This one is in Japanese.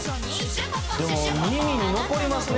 「でも耳に残りますね」